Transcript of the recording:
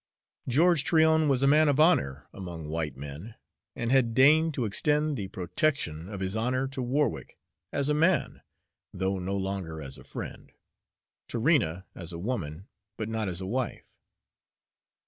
George Tryon was a man of honor among white men, and had deigned to extend the protection of his honor to Warwick as a man, though no longer as a friend; to Rena as a woman, but not as a wife.